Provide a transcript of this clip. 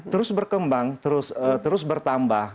terus berkembang terus bertambah